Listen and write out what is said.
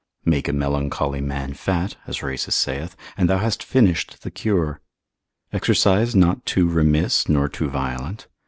Make a melancholy man fat, as Rhasis saith, and thou hast finished the cure. Exercise not too remiss, nor too violent.